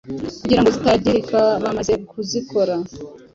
kugira ngo zitangirika bamaze kuzikora